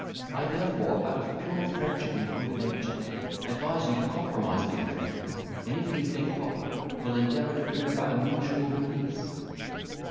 I therefore, out of pure friendship and good nature, advise you to compromise the affair, and, if you think proper, will endeavour to bring about a mutual release."